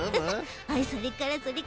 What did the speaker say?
それからそれから。